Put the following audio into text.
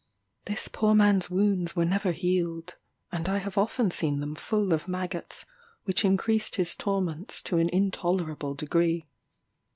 This poor man's wounds were never healed, and I have often seen them full of maggots, which increased his torments to an intolerable degree.